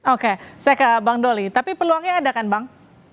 oke saya ke bang doli tapi peluangnya ada kan bang